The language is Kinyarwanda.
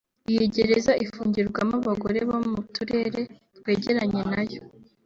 Iyi gereza ifungirwamo abagore bo mu turere twegeranye nayo